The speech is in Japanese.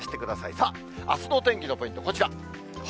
さあ、あすのお天気のポイント、こちら。